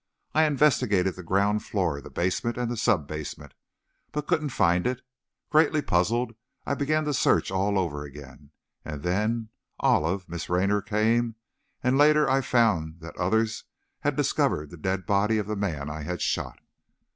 I investigated the ground floor, the basement and sub basement, but couldn't find it. Greatly puzzled, I began the search all over again, and then, Olive, Miss Raynor, came, and later, I found that others had discovered the dead body of the man I had shot.